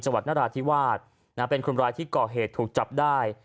วัดนราธิวาสเป็นคนร้ายที่ก่อเหตุถูกจับได้